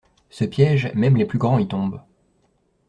Ce piège, même les plus grands y tombent.